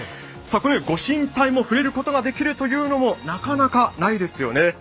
御神体も触れることができるというのもなかなかないですよね。